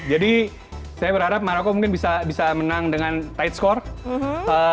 jadi saya berharap marokko mungkin bisa menang dengan tight score